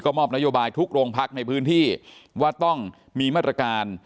มอบนโยบายทุกโรงพักในพื้นที่ว่าต้องมีมาตรการ